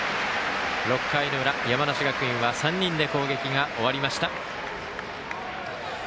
６回の裏、山梨学院は３人で攻撃が終わりました。